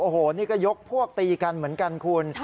โอ้โหนี่ก็ยกพวกตีกันเหมือนกันคุณ